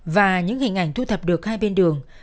và những hình ảnh thu thập được hai bên đường